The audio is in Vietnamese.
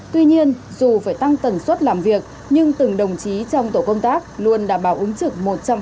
tuy nhiên dù phải tăng tần suất làm việc nhưng từng đồng chí trong tổ công tác luôn đảm bảo ứng trực một trăm linh